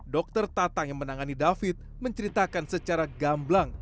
dokter tatang yang menangani david menceritakan secara gamblang